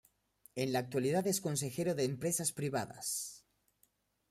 En la actualidad es consejero de empresas privadas.